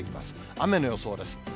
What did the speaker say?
雨の予想です。